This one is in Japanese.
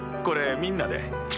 これみんなで。